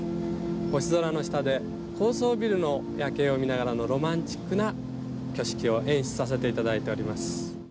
星空の下で、高層ビルの夜景を見ながらのロマンチックな挙式を演出させていただいております。